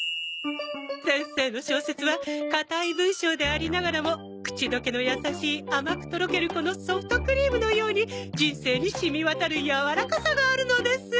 先生の小説は堅い文章でありながらも口溶けの優しい甘くとろけるこのソフトクリームのように人生に染み渡るやわらかさがあるのです。